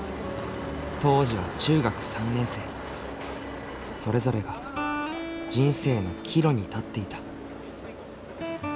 当時は中学３年生それぞれが人生の岐路に立っていた。